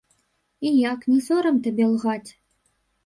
І як не сорам табе лгаць?